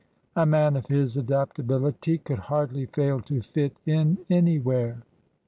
A man of his adaptability could hardly fail to fit in anywhere.